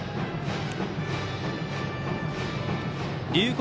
龍谷